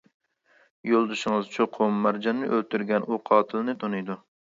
يولدىشىڭىز چوقۇم مارجاننى ئۆلتۈرگەن ئۇ قاتىلنى تونۇيدۇ.